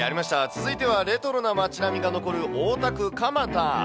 続いてはレトロな町並みが残る大田区蒲田。